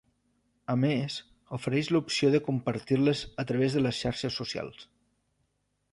A més, ofereix l'opció de compartir-les a través de les xarxes socials.